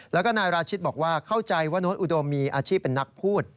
แล้วก็นายราชิตบอกว่าเข้าใจว่าโน้ตอุดมมีอาชีพเป็นนักพูด